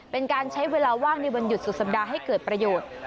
เป็นการใช้เวลาว่างในวันหยุดสุดสัปดาห์ให้เกิดประโยชน์